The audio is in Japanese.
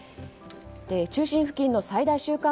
中心付近の最大瞬間